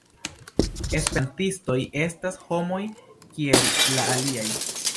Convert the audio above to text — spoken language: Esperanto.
Esperantistoj estas homoj kiel la aliaj.